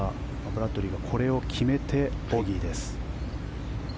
ブラッドリーがこれを決めてボギーです。